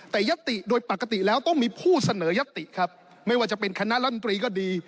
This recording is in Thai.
แต่ยัตติโดยปกติแล้วต้องมีผู้เสนอยัตติครับไม่ว่าจะเป็นคณะรัฐมนตรีก็ดี